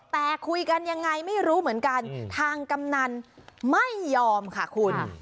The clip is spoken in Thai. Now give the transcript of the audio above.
แต่คุยกันยังไงไม่รู้เหมือนกันทางกำนันไม่ยอมค่ะคุณ